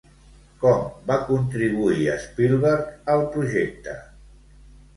Com va contribuir Spielberg al projecte?